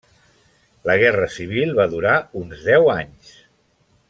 La guerra civil va durar uns deu anys.